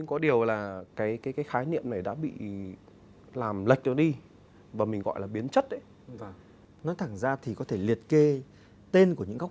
như kiểu là để thoải mãn tình dục